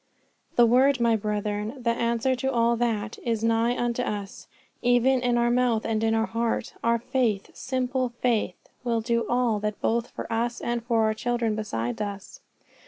The word, my brethren, the answer to all that, is nigh unto us, even in our mouth and in our heart. For faith, simple faith, will do all that both for us and for our children beside us.